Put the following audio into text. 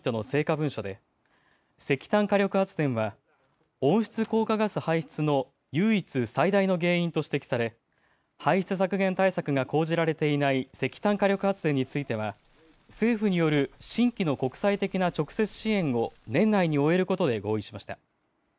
文書で石炭火力発電は温室効果ガス排出の唯一最大の原因と指摘され排出削減対策が講じられていない石炭火力発電については政府による新規の国際的な直接支援を年内に終えることで合意しました。